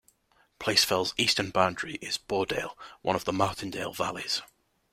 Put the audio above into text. Place Fell's eastern boundary is Boredale, one of the Martindale valleys.